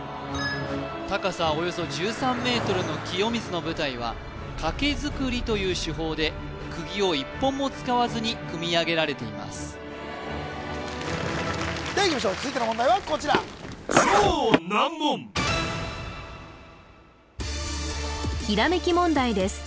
高さおよそ１３ｍの清水の舞台は懸造りという手法で釘を１本も使わずに組み上げられていますではいきましょう続いての問題はこちらひらめき問題です